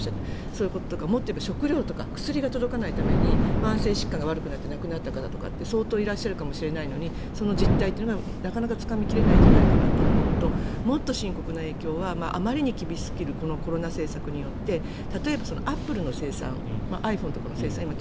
そういうこととかもっと言えば食料とか薬が届かないために慢性疾患で亡くなった方とかって相当いらっしゃるかもしれないのにその実態がなかなかつかみ切れないんじゃないかなと思うのともっと深刻な影響はあまりに厳しすぎるコロナ政策によって例えばアップルの生産アイフォーンとかの生産９５％